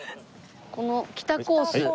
この北コース。